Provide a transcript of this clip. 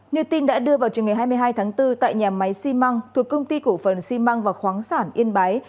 như tin đã đưa vào trường ngày hai mươi hai tháng bốn tại nhà máy xi măng thuộc công ty cổ phần xi măng và khoáng sản yên bái